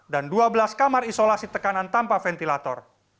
dan dua belas kamar isolasi tekanan tanpa ventilator